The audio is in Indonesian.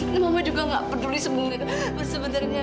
tapi masih ada satu hal sebenarnya